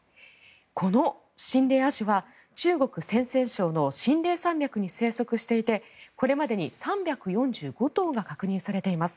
この秦嶺亜種は中国・陝西省の秦嶺山脈に生息していてこれまでに３４５頭が確認されています。